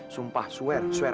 sumpah swear swear